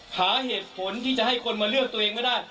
หาเหตุผลที่จะให้คนมาเลือกตัวเองไม่ได้